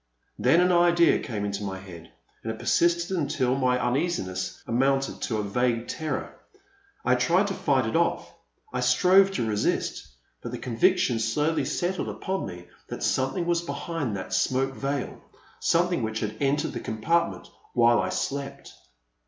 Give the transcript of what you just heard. Then an idea came into my head, and it persisted until my uneasiness amounted to a vague terror. I tried to fight it off — I strove to resist — but the conviction slowly settled upon me that something was behind that smoke veil, — ^something which had entered the compartment while I slept.